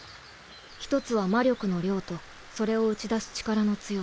１つは魔力の量とそれを打ち出す力の強さ。